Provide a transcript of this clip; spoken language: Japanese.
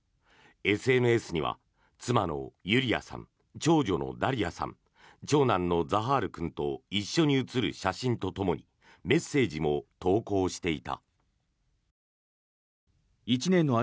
ＳＮＳには妻のユリアさん長女のダリヤさん長男のザハール君と一緒に写る写真とともにメッセージも投稿していた。